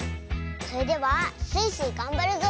それでは「スイスイ！がんばるぞ」